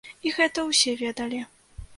І гэта ўсе ведалі.